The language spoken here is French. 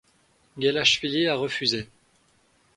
Guelachvili a refusé.